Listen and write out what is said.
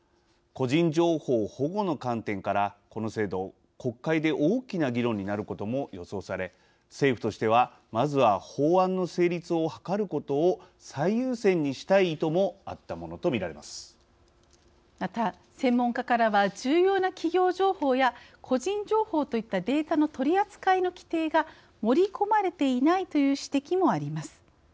個人情報保護の観点からこの制度、国会で大きな議論になることも予想され政府としてはまずは法案の成立を図ることを最優先にしたい意図もまた、専門家からは重要な企業情報や個人情報といったデータの取り扱いの規定が盛り込まれていないという指摘もあります。